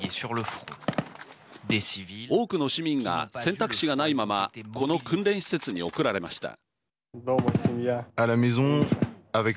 多くの市民が選択肢がないままこの訓練施設に送られました。